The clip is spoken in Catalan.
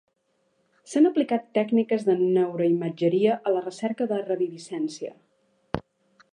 S'han aplicat tècniques de neuroimatgeria a la recerca de reviviscència.